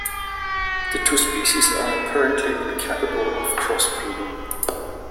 The two species are apparently incapable of crossbreeding.